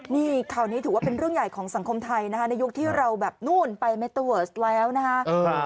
นี่ข่าวนี้ถือว่าเป็นเรื่องใหญ่ของสังคมไทยนะคะในยุคที่เราแบบนู่นไปเมเตอร์เวิร์สแล้วนะฮะ